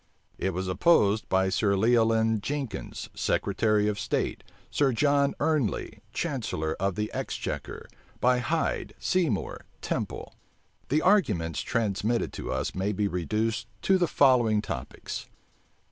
It was opposed by Sir Leoline Jenkins, secretary of state, Sir John Ernley, chancellor of the exchequer, by Hyde, Seymour, Temple. The arguments transmitted to us may be reduced to the following topics.